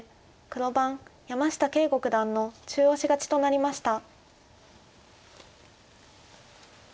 黒番山下敬吾九段の中押し勝ちとなりました。